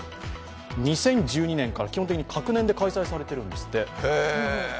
２０１２年から基本的に隔年で開催されているんですって。